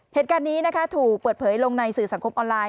เหตุการณ์นี้นะคะถูกเปิดเผยลงในสื่อสังคมออนไลน